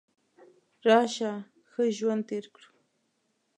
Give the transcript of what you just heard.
راشه ښه ژوند تیر کړو .